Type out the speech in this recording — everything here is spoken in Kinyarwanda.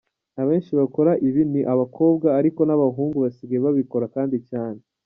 Abenshi bakora ibi ni abakobwa ariko n’abahungu basigaye babikora kandi cyane.